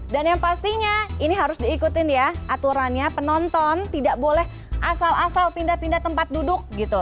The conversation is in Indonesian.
dan yang pastinya ini harus diikutin ya aturannya penonton tidak boleh asal asal pindah pindah tempat duduk gitu